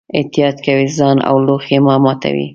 احتیاط کوئ، ځان او لوښي مه ماتوئ.